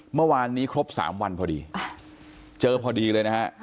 เมื่อวานนี้ครบ๓วันพอดีเจอพอดีเลยนะฮะ